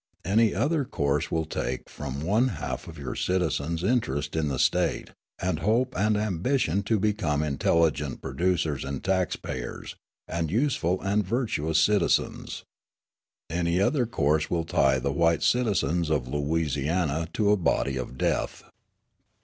Any other course will take from one half your citizens interest in the State, and hope and ambition to become intelligent producers and tax payers, and useful and virtuous citizens. Any other course will tie the white citizens of Louisiana to a body of death.